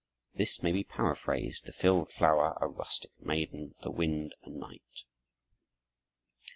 This may be paraphrased: the field flower, a rustic maiden; the wind, a knight."